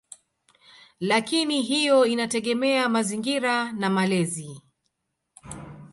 Lakini hiyo inategemea mazingira na malezi.